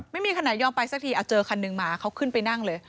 ไม่มีคันไหนยอมไปสักทีเจอคันหนึ่งมาเขาขึ้นไปนั่งเลย